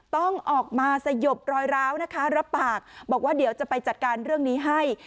ต้องออกมาสยบรอยร้าวนะคะรับปากบอกว่าเดี๋ยวจะไปจัดการเรื่องนี้ให้